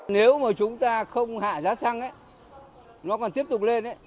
nếu mà chúng ta không hạ giá xăng ấy nó còn tiếp tục lên